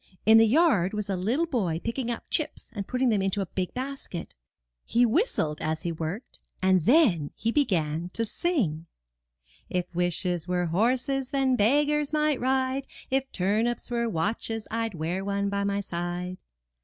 In the yard was a little boy picking up chips and putting them into a big basket. He whistled as he worked, and then he began to sing: "If wishes were horses, then beggars might ride; If turnips were watches, Td wear one by my side."